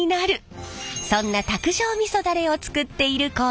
そんな卓上みそダレを作っている工場！